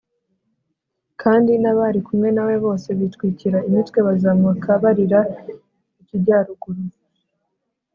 kandi n’abari kumwe na we bose bitwikira imitwe bazamuka barira ikijyaruguru.